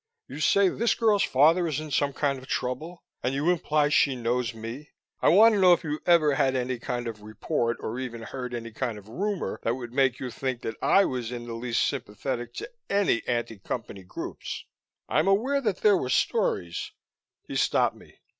You say this girl's father is in some kind of trouble, and you imply she knows me. I want to know if you've ever had any kind of report, or even heard any kind of rumor, that would make you think that I was in the least sympathetic to any anti Company groups? I'm aware that there were stories " He stopped me.